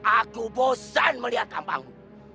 aku bosan melihat kampangmu